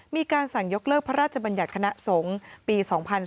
มีการสั่งยกเลิกพระราชบัญญัติคณะสงฆ์ปี๒๕๔